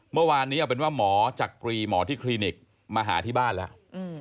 เมื่อวานนี้เอาเป็นว่าหมอจักรีหมอที่คลินิกมาหาที่บ้านแล้ว